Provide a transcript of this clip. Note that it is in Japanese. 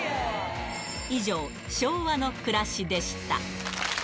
以上、昭和の暮らしでした。